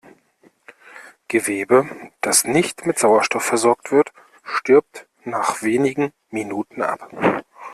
Gewebe, das nicht mit Sauerstoff versorgt wird, stirbt nach wenigen Minuten ab.